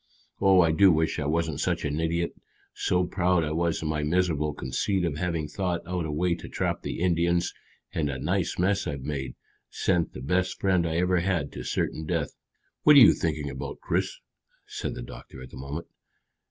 Oh, I do wish I wasn't such an idiot! So proud I was in my miserable conceit of having thought out a way to trap the Indians, and a nice mess I've made sent the best friend I ever had to certain death." "What are you thinking about, Chris?" said the doctor at that moment.